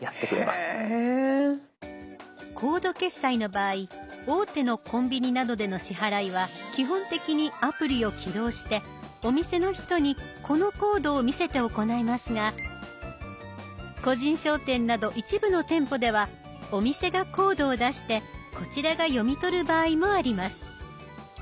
コード決済の場合大手のコンビニなどでの支払いは基本的にアプリを起動してお店の人にこのコードを見せて行いますが個人商店など一部の店舗ではお店がコードを出してこちらが読み取る場合もあります。